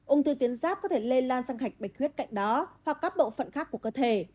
ung thư tuyến giáp có thể lây lan sang hạch bạch huyết cạnh đó hoặc các bộ phận khác của cơ thể